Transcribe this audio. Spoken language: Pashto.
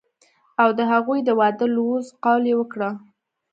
او د هغوي د وادۀ لوظ قول يې وکړۀ